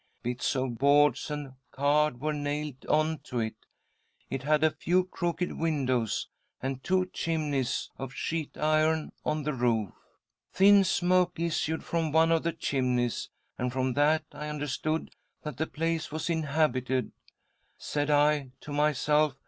Bits of boards and card were nailed on to it ; it had a few crooked windows, and two chimneys of sheet iron on the roof. " Thin smoke issued from one of the chimneys, and from that I understood that the place was inhabited. Said I to myself